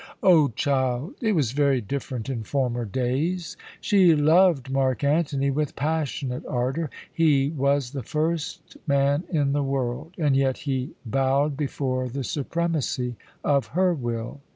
"O child, it was very different in former days! She loved Mark Antony with passionate ardour. He was the first man in the world, and yet he bowed before the supremacy of her will.